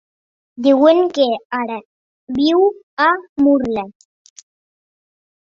Diuen que ara viu a Murla.